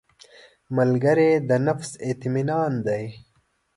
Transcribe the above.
ملګری د نفس اطمینان دی